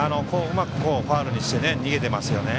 うまくファウルにして逃げていますね。